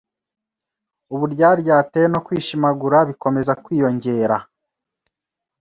Uburyaryate no kwishimagura bikomeza kwiyongera